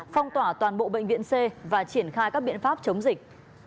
phong tỏa toàn bộ bệnh viện c và triển khai các biện pháp chống dịch